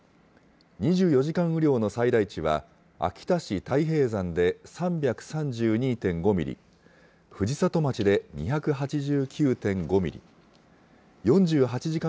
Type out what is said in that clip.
２４時間雨量の最大値は、秋田市太平山で３３２．５ミリ、藤里町で２８９．５ミリ、４８時間